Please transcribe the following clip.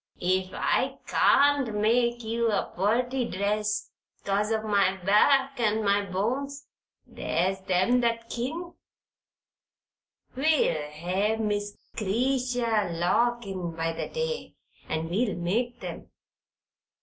Ef I can't make ye a purty dress, 'cause o' my back an' my bones, there's them that kin. We'll hev Miss 'Cretia Lock in by the day, and we'll make 'em."